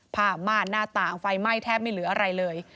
ผ้าม่านหน้าต่างไฟไหม้แทบไม่เหลืออะไรเลย